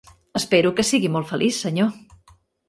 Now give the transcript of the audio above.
Espero que sigui molt feliç, senyor.